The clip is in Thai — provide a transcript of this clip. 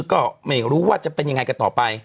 ก็ไม่รู้ว่าจะเป็นยังไงกันต่อไป